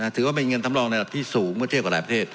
ถือว่ามีเงินซ้ำรองระหว่างประเทศไทยอยู่ในอันดับที่๑๒ของโลก